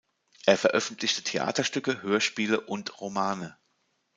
Er veröffentlichte Theaterstücke, Hörspiele und Romane.